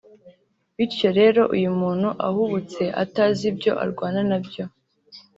Bityo rero iyo umuntu ahubutse atazi ibyo arwana nabyo